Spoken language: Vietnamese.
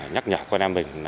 nhắc nhở con em mình